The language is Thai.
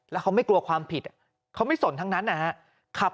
แล้วเขาไม่กลัวความผิดเขาไม่สนทั้งนั้นนะครับ